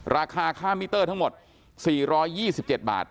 ราคาค่ามิเตอร์ทั้งหมด๔๒๗บาท